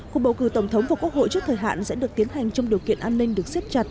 cuộc bầu cử tổng thống của quốc hội trước thời hạn sẽ được tiến hành trong điều kiện an ninh được xếp chặt